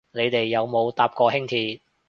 你哋有冇搭過輕鐵